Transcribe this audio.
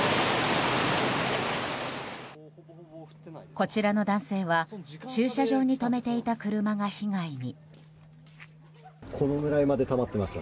こちらの男性は駐車場に止めていた車が被害に。